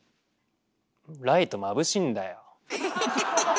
ライトまぶしいんだよ。